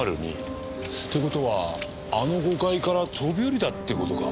５０２って事はあの５階から飛び降りたって事か。